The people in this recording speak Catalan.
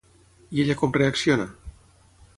I ella com reacciona?